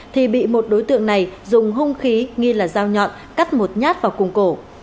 thì bị một đối tượng này dùng hung khí nghi là dao nhọn cắt một nhát vào cùng cổ